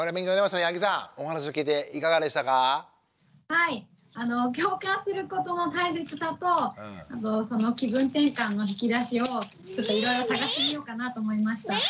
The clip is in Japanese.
はい共感することの大切さと気分転換の引き出しをいろいろ探してみようかなと思いました。